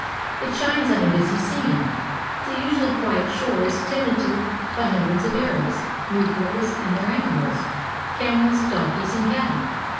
It shines on a busy scene. The usually quiet shore is tenanted by hundreds of Arabs, Negroes, and their animals; camels, donkeys, and cattle.